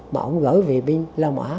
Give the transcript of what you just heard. mà ông gửi về pina